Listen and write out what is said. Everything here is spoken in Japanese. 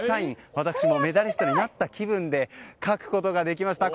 私もメダリストになった気分で書くことができました。